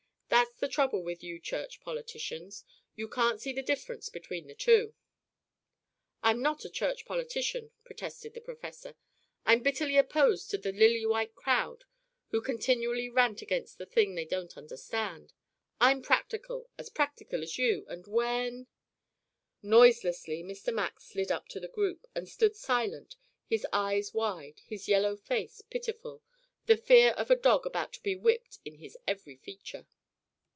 That's the trouble with you church politicians. You can't see the difference between the two." "I'm not a church politician," protested the professor. "I'm bitterly opposed to the lily white crowd who continually rant against the thing they don't understand. I'm practical, as practical as you, and when " Noiselessly Mr. Max slid up to the group, and stood silent, his eyes wide, his yellow face pitiful, the fear of a dog about to be whipped in his every feature.